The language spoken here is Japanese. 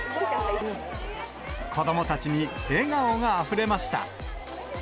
子どもたちに笑顔があふれました。